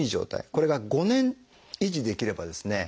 これが５年維持できればですね